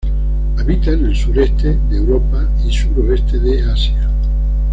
Habita en el sureste de Europa y suroeste de Asia.